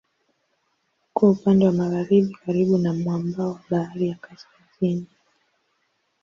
Uko upande wa magharibi karibu na mwambao wa Bahari ya Kaskazini.